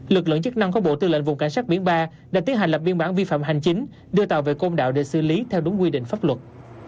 lực lượng chức năng của bộ tư lệnh vùng cảnh sát biển ba đã tiến hành lập biên bản vi phạm hành chính đưa tàu về côn đảo để xử lý theo đúng quy định pháp luật